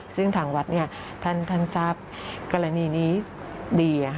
ซึ่งทางวัดท่านทราบกรณีนี้ดี